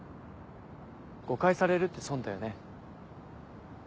誤解されるって損だよね。